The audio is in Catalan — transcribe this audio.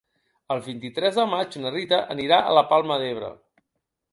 El vint-i-tres de maig na Rita anirà a la Palma d'Ebre.